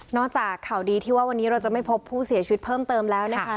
จากข่าวดีที่ว่าวันนี้เราจะไม่พบผู้เสียชีวิตเพิ่มเติมแล้วนะคะ